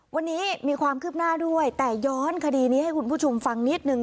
วันนี้มีความคืบหน้าด้วยแต่ย้อนคดีนี้ให้คุณผู้ชมฟังนิดนึง